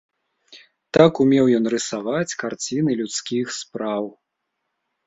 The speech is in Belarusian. Так умеў ён рысаваць карціны людскіх спраў.